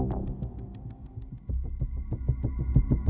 และสนุก